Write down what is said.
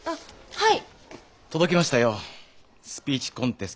はい。